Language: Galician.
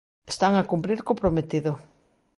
Están a cumprir co prometido.